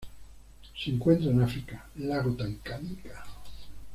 Se encuentran en África: lago Tanganika.